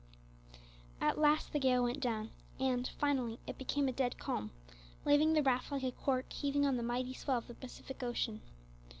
At last the gale went down, and, finally, it became a dead calm, leaving the raft like a cork heaving on the mighty swell of the Pacific Ocean.